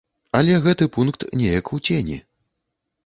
Але гэты пункт неяк у цені.